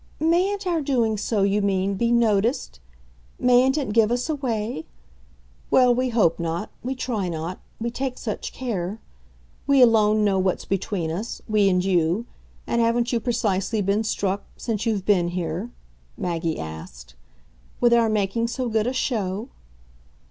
"Mayn't our doing so, you mean, be noticed? mayn't it give us away? Well, we hope not we try not we take such care. We alone know what's between us we and you; and haven't you precisely been struck, since you've been here," Maggie asked, "with our making so good a show?"